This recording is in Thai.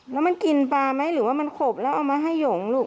แล้วมันกินปลาไหมหรือว่ามันขบแล้วเอามาให้หยงลูก